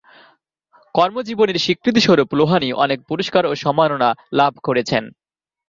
কর্মজীবনের স্বীকৃতিস্বরূপ লোহানী অনেক পুরস্কার ও সম্মাননা লাভ করেছেন।